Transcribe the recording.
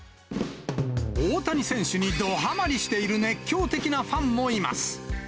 大谷選手にどはまりしている熱狂的なファンもいます。